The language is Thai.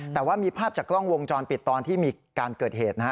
แต่ว่ามีภาพจากกล้องวงจรปิดตอนที่มีการเกิดเหตุนะฮะ